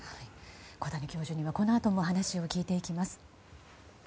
小谷教授にはこのあともお話を聞いていきます。